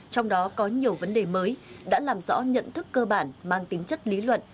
trong đó có nhiều vấn đề mới đã làm rõ nhận thức cơ bản mang tính chất lý luận